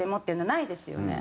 ないですね。